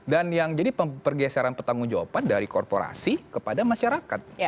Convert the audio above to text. yang jadi pergeseran pertanggung jawaban dari korporasi kepada masyarakat